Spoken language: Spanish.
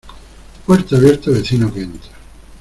Puerta abierta, vecino que entra.